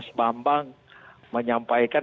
mas bambang menyampaikan